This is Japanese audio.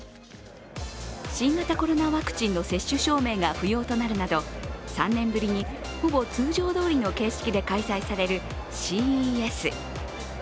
新型コロナワクチンの接種証明が不要となるなど、３年ぶりにほぼ通常どおりの形式で開催されるＣＥＳ。